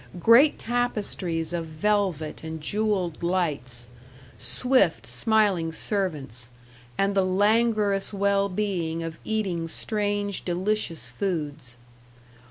Great tapestries of velvet and jeweled lights; swift, smiling servants; and the languorous well being of eating strange, delicious foods.